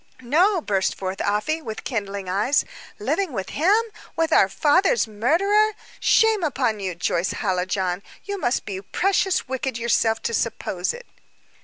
"No!" burst forth Afy, with kindling eyes. "Living with him with our father's murderer! Shame upon you, Joyce Hallijohn! You must be precious wicked yourself to suppose it."